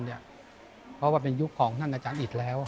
เพราะว่าเป็นยุคของท่านอาจารย์อิตแล้ว